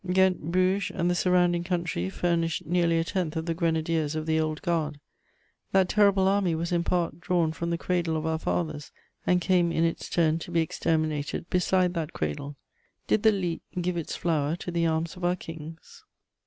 Ghent, Bruges and the surrounding country furnished nearly a tenth of the grenadiers of the Old Guard: that terrible army was in part drawn from the cradle of our fathers, and came in its turn to be exterminated beside that cradle. Did the Lys give its flower to the arms of our Kings?